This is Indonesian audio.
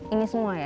ini semua ya